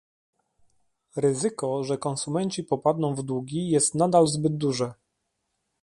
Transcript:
Ryzyko, że konsumenci popadną w długi jest nadal zbyt duże